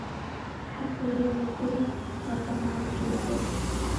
هسې یې له پړي ورته مار جوړ کړ.